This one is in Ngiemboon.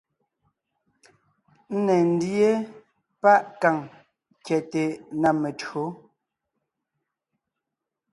Ńne ńdíe páʼ kàŋ kyɛte na metÿǒ,